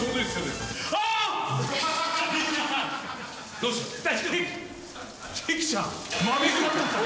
どうした？